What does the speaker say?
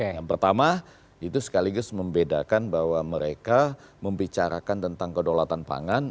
yang pertama itu sekaligus membedakan bahwa mereka membicarakan tentang kedaulatan pangan